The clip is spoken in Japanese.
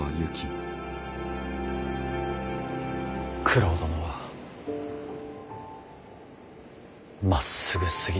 九郎殿はまっすぐすぎたのです。